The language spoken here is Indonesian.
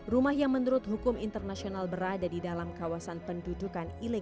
rumah yang menurut hukum internasional berada di dalam kawasan pendudukan ilegal